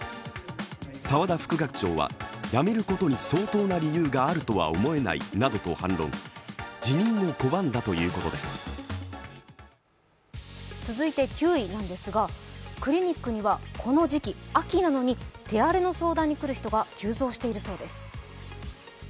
沢が副学長は、辞めることに相当な理由があるとは思えないと反論、続いて９位なんですがクリニックにはこの時期、秋なのに手荒れの相談に来る人が急増しているそうです